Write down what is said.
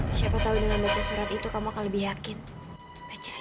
siapa tau dengan baca surat ini kamu akan menyesal sama aku